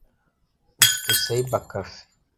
ufite cyber café